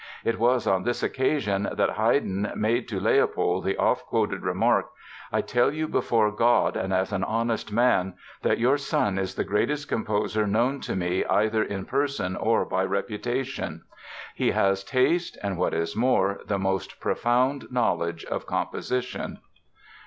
It was on this occasion that Haydn made to Leopold the oft quoted remark: "I tell you before God and as an honest man that your son is the greatest composer known to me either in person or by reputation. He has taste and, what is more, the most profound knowledge of composition."